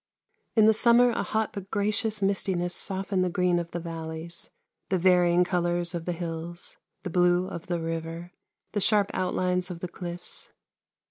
In the summer a hot but gracious mistiness softened the green of the valleys, the varying colours of the hills, the blue of the river, the sharp out lines of the clifTs.